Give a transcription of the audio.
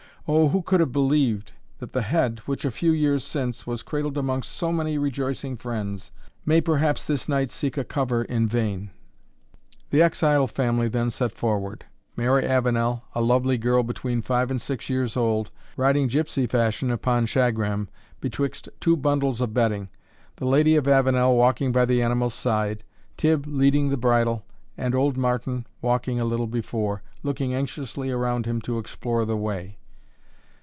"Oh, who could have believed that the head, which, a few years since, was cradled amongst so many rejoicing friends, may perhaps this night seek a cover in vain!" The exiled family then set forward, Mary Avenel, a lovely girl between five and six years old, riding gipsy fashion upon Shagram, betwixt two bundles of bedding; the Lady of Avenel walking by the animal's side; Tibb leading the bridle, and old Martin walking a little before, looking anxiously around him to explore the way.